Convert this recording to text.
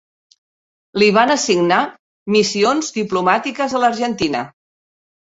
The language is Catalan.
Li van assignar missions diplomàtiques a l'Argentina.